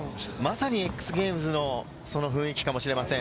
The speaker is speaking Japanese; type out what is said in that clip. まさにＸＧａｍｅｓの雰囲気かもしれません。